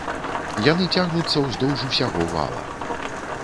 Яны цягнуцца ўздоўж усяго вала.